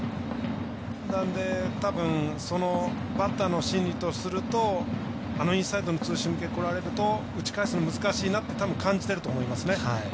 なので、たぶんバッターの心理とするとあのインサイドのツーシーム系こられると打ち返すの難しいなって感じていると思います。